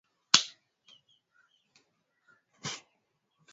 kitangaza kutoka dar es salaam tanzania